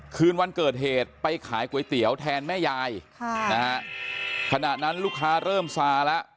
คืนวันเกิดเหตุไปขายก๋วยเตี๋ยวแทนแม่ยายค่ะนะฮะขณะนั้นลูกค้าเริ่มซาแล้ว